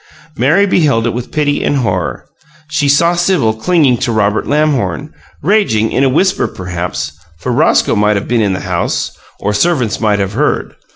Mary beheld it with pity and horror: she saw Sibyl clinging to Robert Lamhorn, raging, in a whisper, perhaps for Roscoe might have been in the house, or servants might have heard.